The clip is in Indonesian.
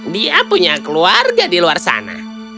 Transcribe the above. dia punya keluarga di luar sana